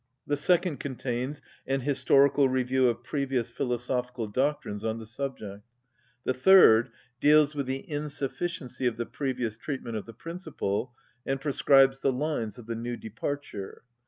The second contains an historical review of previous philosophical doctrines on the subject. The third deals with the insufficiency of the previous treatment of the principle, and prescribes the lines of the new departure.